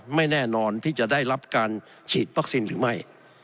ไม่แน่นอนที่จะได้รับการฉีดวัคซีนหรือไม่